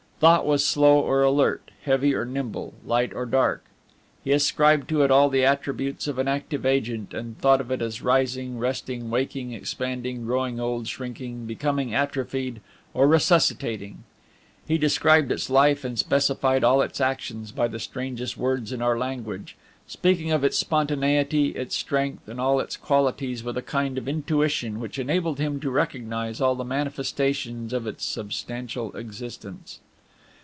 Thought was slow or alert, heavy or nimble, light or dark; he ascribed to it all the attributes of an active agent, and thought of it as rising, resting, waking, expanding, growing old, shrinking, becoming atrophied, or resuscitating; he described its life, and specified all its actions by the strangest words in our language, speaking of its spontaneity, its strength, and all its qualities with a kind of intuition which enabled him to recognize all the manifestations of its substantial existence.